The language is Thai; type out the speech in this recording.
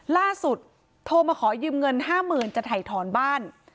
ล่าสุดโทรมาขอยืมเงิน๕หมื่นจะถ่ายถอนบ้าน